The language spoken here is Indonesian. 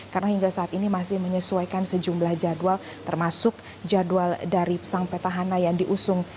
karena hingga saat ini masih menyesuaikan sejumlah jadwal termasuk jadwal dari sang petahana yang diusung